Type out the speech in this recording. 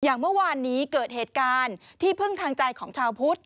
อย่างเมื่อวานนี้เกิดเหตุการณ์ที่พึ่งทางใจของชาวพุทธ